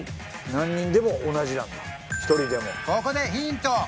１６何人でも同じなんだ１人でもここでヒント